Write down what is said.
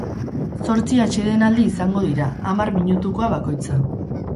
Zortzi atsedenaldi izango dira, hamar minutukoa bakoitza.